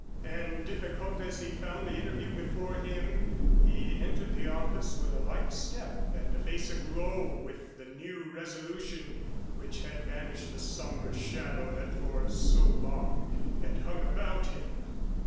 And difficult as he found the interview before him, he entered the office with a light step and a face aglow with the new resolution which had banished the somber shadow that for so long had hung about him.